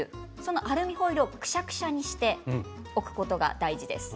アルミホイルをくしゃくしゃにしておくことが大事です。